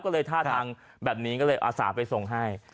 ก็เลยท่าทางแบบนี้ก็เลยอาสาไปส่งให้